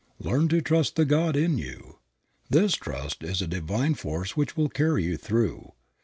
Learn to trust the God in you. This trust is a divine force which will carry you through.